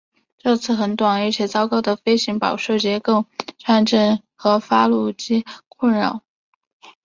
这次很短而且糟糕的飞行饱受结构颤振和发动机共振的困扰。